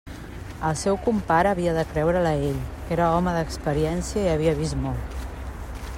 El seu compare havia de creure'l a ell, que era home d'experiència i havia vist molt.